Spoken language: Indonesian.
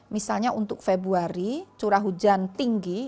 misalnya untuk februari curah hujan tinggi